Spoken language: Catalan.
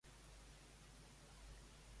A qui va batre Agènor a la guerra troiana?